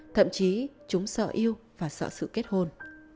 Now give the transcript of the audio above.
thậm chí chúng sợ yêu và sợ sự kết hôn